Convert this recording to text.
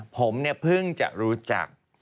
ผมเนี่ยเพิ่งจะรู้จัก